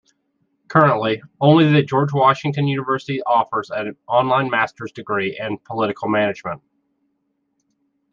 Currently, only The George Washington University offers an online Master's degree in Political Management.